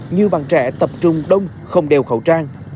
như bạn trẻ tập trung đông không đeo khẩu trang